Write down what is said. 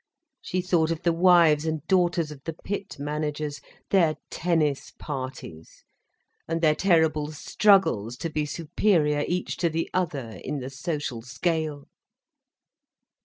She thought of the wives and daughters of the pit managers, their tennis parties, and their terrible struggles to be superior each to the other, in the social scale.